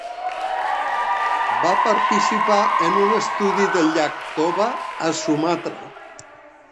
Va participar en un estudi del llac Toba, a Sumatra.